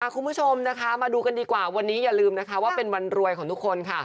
คุณผู้ชมนะคะมาดูกันดีกว่าวันนี้อย่าลืมนะคะว่าเป็นวันรวยของทุกคนค่ะ